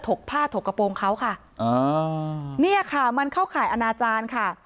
กผ้าถกกระโปรงเขาค่ะอ่าเนี่ยค่ะมันเข้าข่ายอนาจารย์ค่ะ